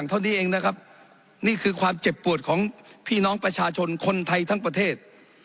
เท่านี้เองนะครับนี่คือความเจ็บปวดของพี่น้องประชาชนคนไทยทั้งประเทศ